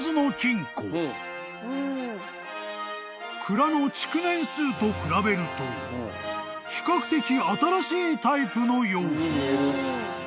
［蔵の築年数と比べると比較的新しいタイプのよう］